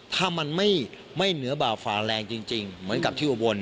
ถ้ามันไม่เหนือบ่าฝาแรงจริงเหมือนกับที่อุบล